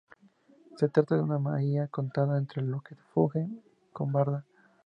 Se trata de una maia, contada entre los que fungen con Varda.